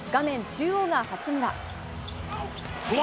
中央が八村。